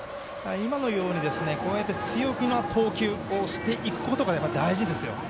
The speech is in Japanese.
今のように、強気な投球をしていくことが大事ですよ。